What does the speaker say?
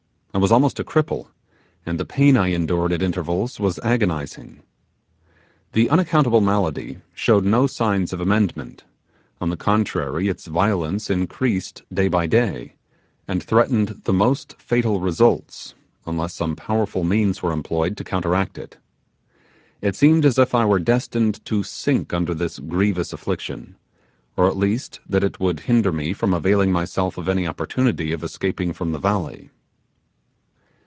I was almost a cripple, and the pain I endured at intervals was agonizing. The unaccountable malady showed no signs of amendment: on the contrary, its violence increased day by day, and threatened the most fatal results, unless some powerful means were employed to counteract it. It seemed as if I were destined to sink under this grievous affliction, or at least that it would hinder me from availing myself of any opportunity of escaping from the valley.